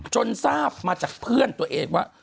ทราบมาจากเพื่อนตัวเองว่า